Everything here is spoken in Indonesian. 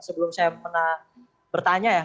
sebelum saya pernah bertanya ya